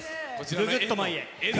ぐぐっと前へ。